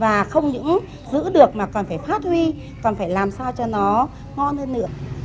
và không những giữ được mà còn phải phát huy còn phải làm sao cho nó ngon hơn nữa